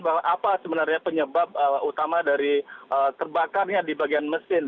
bahwa apa sebenarnya penyebab utama dari terbakarnya di bagian mesin